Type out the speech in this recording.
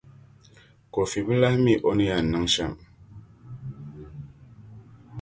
Kofi bi lahi mi o ni yɛn niŋ shɛm.